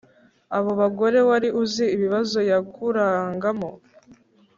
abo bagore wari uzi ibibazo yanyuragamo